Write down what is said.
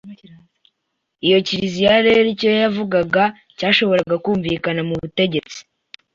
Iyo Kiliziya rero icyo yavugaga cyashoboraga kumvikana mu butegetsi,